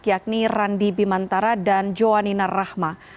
yakni randi bimantara dan joanina rahma